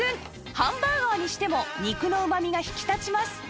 ハンバーガーにしても肉のうまみが引き立ちます